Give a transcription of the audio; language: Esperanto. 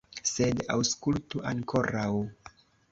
Sed aŭskultu ankoraŭ.